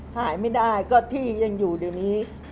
ขายไม่ได้ก็ที่ยังอยู่เดี๋ยวนี้